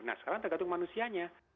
nah sekarang tergantung manusianya